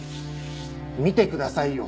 見てくださいよ。